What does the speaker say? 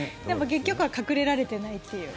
結局は隠れられてないという。